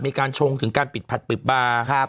อเมริกาชงถึงการปิดผัดปิดบ้า